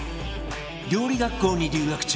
料理学校に留学中